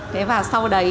thế và sau đấy